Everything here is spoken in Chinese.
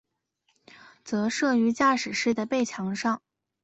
则设于驾驶室的背墙上。